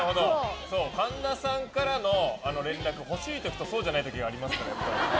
神田さんからの連絡欲しい時とそうじゃない時ありますから。